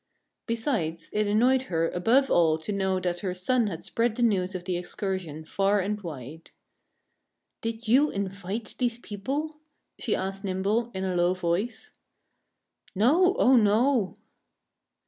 Besides, it annoyed her above all to know that her son had spread the news of the excursion far and wide. "Did you invite these people?" she asked Nimble in a low voice. "No! Oh, no!"